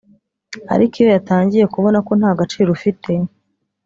ariko iyo yatangiye kubona ko nta gaciro ufite